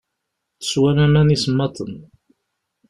Teswam aman isemmaḍen.